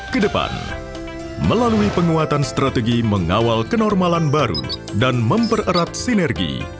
kedepan melalui penguatan strategi mengawal kenormalan baru dan mempererat sinergi